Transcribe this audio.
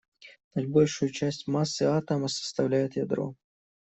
Наибольшую часть массы атома составляет ядро.